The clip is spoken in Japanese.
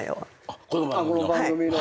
この番組の。